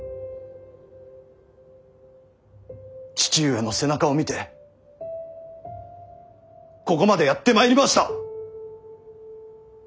父上の背中を見てここまでやってまいりました。